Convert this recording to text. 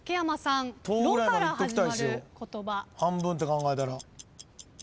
半分って考えたら。